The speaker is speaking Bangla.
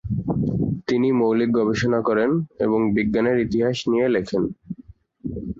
তিনি মৌলিক গবেষণা করেন এবং বিজ্ঞানের ইতিহাস নিয়ে লেখেন।